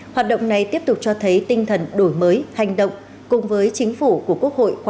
hoạt động này tiếp tục cho thấy tinh thần đổi mới hành động cùng với chính phủ của quốc hội khóa một mươi